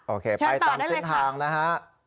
โอเคไปตามเส้นทางนะฮะ